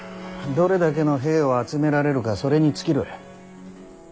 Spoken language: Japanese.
どれだけの兵を集められるかそれに尽きる。